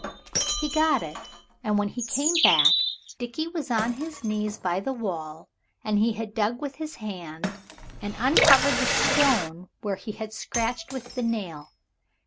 He got it, and when he came back Dickie was on his knees by the wall, and he had dug with his hands and uncovered the stone where he had scratched with the nails.